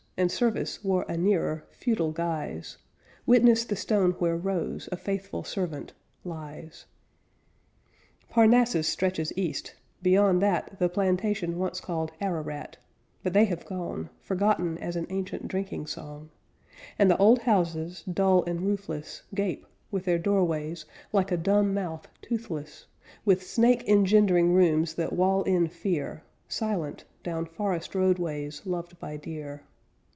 And service wore a nearer, feudal guise Witness the stone where "Rose, A faithful servant," lies. Parnassus stretches east, beyond that The plantation once called Ararat; But they have gone, Forgotten as an ancient drinking song; And the old houses, dull and roofless, Gape, with their doorways Like a dumb mouth toothless, With snake engendering rooms that wall in fear, Silent, down forest roadways loved by deer.